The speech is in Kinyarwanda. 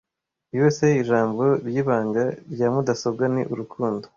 USA ijambo ryibanga rya mudasobwa ni urukundo